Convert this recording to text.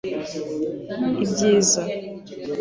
ibyiza